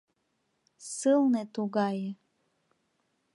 Сылне тугае